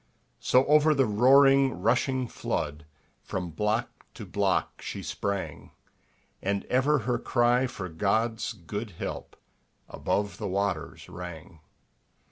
So over the roaring rushing flood, From block to block she sprang, And ever her cry for God's good help Above the waters rang.